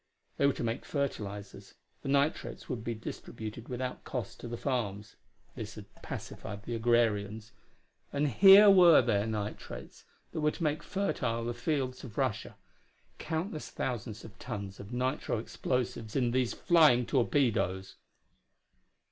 They were to make fertilizers; the nitrates would be distributed without cost to the farms this had pacified the Agrarians and here were their "nitrates" that were to make fertile the fields of Russia: countless thousands of tons of nitro explosives in these flying torpedoes!